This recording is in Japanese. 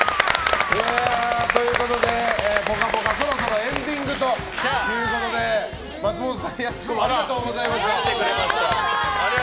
「ぽかぽか」そろそろエンディングということで松本さん、やす子ありがとうございました。